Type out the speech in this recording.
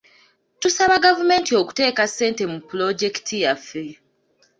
Tusaba gavumenti okuteeka ssente mu pulojekiti yaffe.